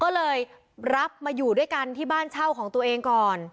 ก็เลยรับมาอยู่ด้วยกันที่บ้านเช่าของตัวเองก่อน